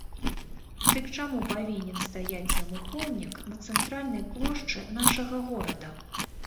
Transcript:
Дык чаму павінен стаяць яму помнік на цэнтральнай плошчы нашага горада?